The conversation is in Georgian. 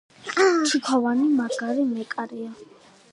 ჩიქოვანი მაგარი მეკარეა